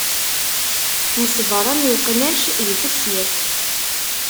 Neṣbeṛ am iqnac di tessirt.